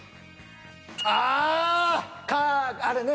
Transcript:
ああカーあれね。